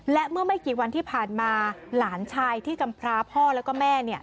และเมื่อไม่กี่วันที่ผ่านมาหลานชายที่กำพร้าพ่อแล้วก็แม่